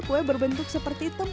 kue berbentuk seperti tempur rambut